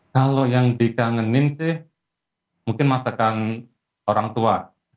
kalau yang dikangenin sih mungkin masakan orang tua